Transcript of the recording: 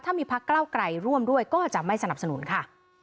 ถ้ามีพักเก้าไกลร่วมด้วยก็จะไม่สนับสนุนค่ะ